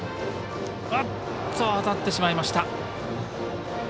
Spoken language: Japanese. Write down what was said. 当たってしまいました。